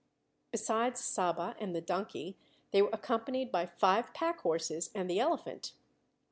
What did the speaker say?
Besides Saba and the donkey they were accompanied by five pack horses and the elephant.